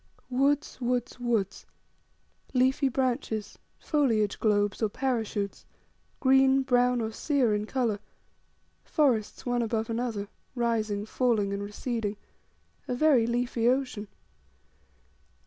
Woods, woods, woods, leafy branches, foliage globes, or parachutes, green, brown, or sere in colour, forests one above another, rising, falling, and receding a very leafy ocean.